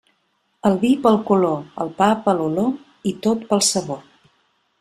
El vi pel color, el pa per l'olor, i tot pel sabor.